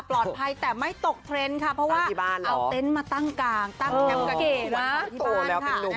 ปลอดภัยแต่ไม่ตกเทรนด์ค่ะเพราะว่าเอาเต็นต์มาตั้งกลางตั้งแคมป์กางเกงค่ะ